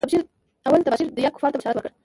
اول تبشير ديه کفارو ته بشارت ورکړه.